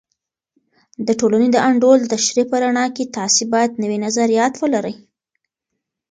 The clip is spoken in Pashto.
د ټولنې د انډول د تشریح په رڼا کې، تاسې باید نوي نظریات ولرئ.